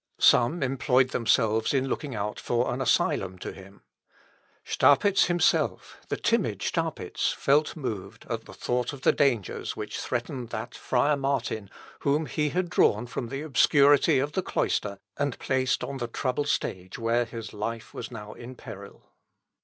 Some employed themselves in looking out for an asylum to him. Staupitz himself, the timid Staupitz, felt moved at the thought of the dangers which threatened that friar Martin whom he had drawn from the obscurity of the cloister, and placed on the troubled stage where his life was now in peril.